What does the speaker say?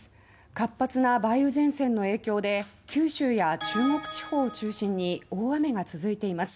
活発な梅雨前線の影響で九州や中国地方を中心に大雨が続いています。